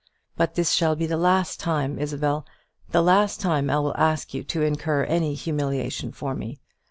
But this shall be the last time, Isabel, the last time I will ask you to incur any humiliation for me.